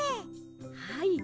はい。